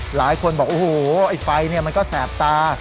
หลายคนบอกโอ้โหไอ้ไฟมันก็แสบตา